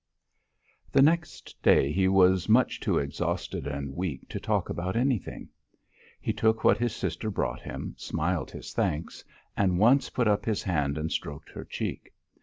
The next day he was much too exhausted and weak to talk about anything. He took what his sister brought him, smiled his thanks, and once put up his hand and stroked her cheek.